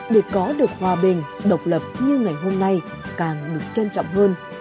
để có được hòa bình độc lập như ngày hôm nay càng được trân trọng hơn